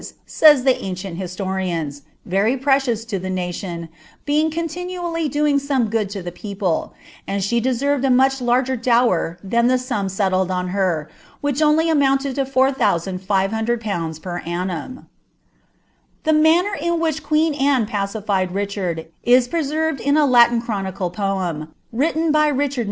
«« tt aooieiil historians, » very precious to the nation, being cuntinaally taf some eood lo the people ; and site deserved a ranch larger dowar llMa the sum sellled on her. which only amounted to fonr hundred pounds per annum." The manner in which queen Anne pacified Riclmrd. is Latin chronicle poem, wniien by Richard .